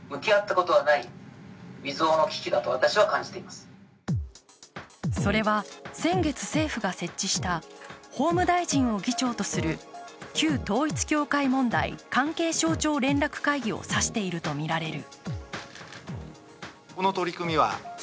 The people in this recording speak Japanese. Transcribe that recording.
それはそれは先月、政府が設置した法務大臣を議長とする旧統一教会問題関係省庁連絡会議を指しているとみられる。